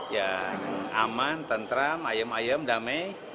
ya aman tentram ayam ayem damai